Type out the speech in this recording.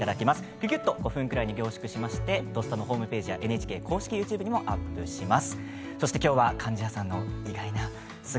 ぎゅぎゅっと５分くらいに凝縮して「土スタ」のホームページやＮＨＫ公式ＹｏｕＴｕｂｅにアップします。